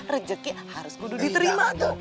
rejeki harus kudu diterima tuh